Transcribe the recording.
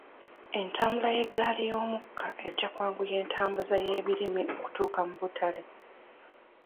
Entambula y'eggaali y'omukka ejja kwanguya okutambuza ebirimi okutuuka mu butale.